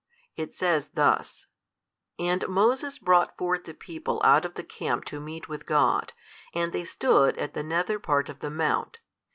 It says thus, And Moses brought forth the people out of the camp to meet with God; and they stood at the nether part of the mount.